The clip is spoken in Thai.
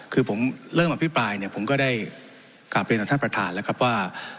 คือผมเริ่มอภิปรายเนี่ยผมก็ได้กลับเรียนต่อท่านประธานแล้วครับว่า